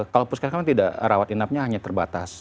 kalau puskesmas yang tidak rawat inapnya hanya terbatas